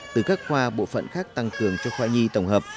từ các khoa bộ phận khác tăng cường cho khoa nhi tổng hợp